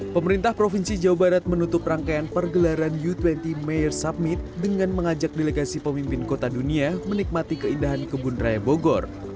pemerintah provinsi jawa barat menutup rangkaian pergelaran u dua puluh mayor summit dengan mengajak delegasi pemimpin kota dunia menikmati keindahan kebun raya bogor